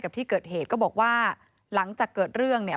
ที่เกิดเหตุก็บอกว่าหลังจากเกิดเรื่องเนี่ย